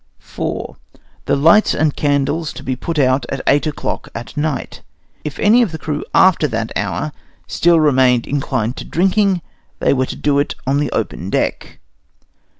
IV The lights and candles to be put out at eight o'clock at night. If any of the crew after that hour still remained inclined for drinking, they were to do it on the open deck.